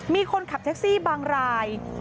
มีคนขับแท็กซี่บางราย